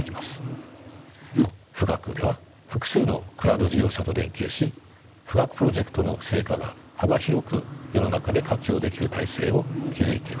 富岳では複数のクラウド事業者と連携し富岳プロジェクトの成果が幅広く世の中で活用できる体制を築いています。